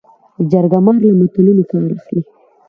جرګه مار له متلونو کار اخلي